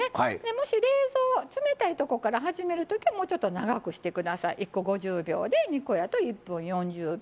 もし、冷たいところから始めるときはもうちょっと長くしてもらって１個５０秒で２個やと１分４０秒。